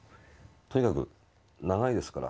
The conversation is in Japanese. とにかく長いですから。